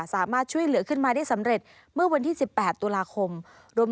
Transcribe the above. สามารถช่วยเหลือขึ้นมาได้สำเร็จเมื่อวันที่๑๘ตุลาคมรวม